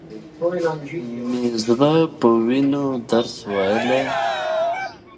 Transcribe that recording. مې د زړه په وينو درس وويل.